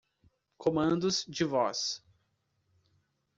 Comandos de voz.